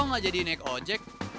kok gak jadi naik ojek